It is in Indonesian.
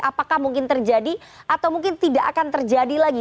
apakah mungkin terjadi atau mungkin tidak akan terjadi lagi